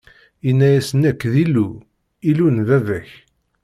Inna-yas: Nekk, d Illu, Illu n baba-k!